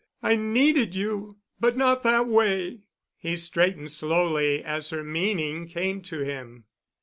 I needed you—but not that way." He straightened slowly as her meaning came to him.